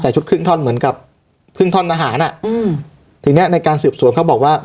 แต่ชุดครึ่งท่อนเหมือนกับครึ่งท่อนทหารอ่ะอืมทีเนี้ยในการสืบสวนเขาบอกว่า